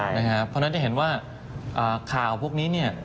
เพราะฉะนั้นจะเห็นว่าข่าวพวกนี้